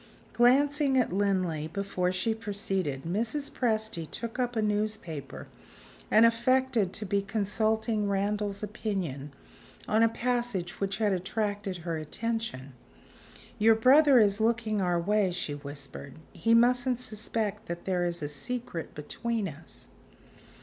Glancing at Linley before she proceeded, Mrs. Presty took up a newspaper, and affected to be consulting Randal's opinion on a passage which had attracted her attention. "Your brother is looking our way," she whispered: "he mustn't suspect that there is a secret between us."